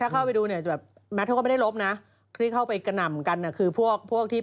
เค้าแบบงี้เค้าแบบงี้